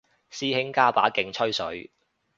師兄加把勁吹水